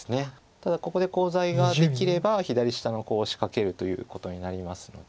ただここでコウ材ができれば左下のコウを仕掛けるということになりますので。